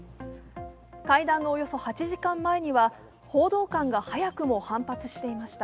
会談のおよそ８時間前には報道官が早くも反発していました。